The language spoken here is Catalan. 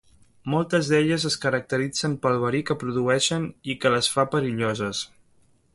Moltes d'elles es caracteritzen pel verí que produeixen, i que les fa perilloses.